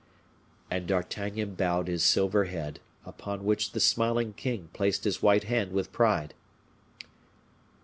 And D'Artagnan bowed his silver head, upon which the smiling king placed his white hand with pride.